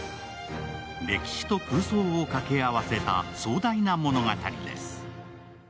歴史と空想を掛け合わせた壮大な物語です。